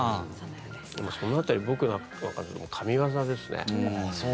その辺り僕の中で、神業ですね。